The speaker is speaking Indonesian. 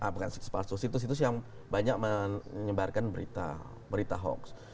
bukan sepatu situs situs yang banyak menyebarkan berita hoax